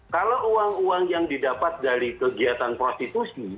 kalau uang uang yang didapat dari kegiatan prostitusi